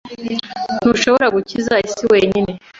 Ntushobora gukiza isi wenyine.